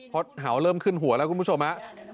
เพราะเห่าเริ่มขึ้นหัวแล้วคุณผู้ชมฮะ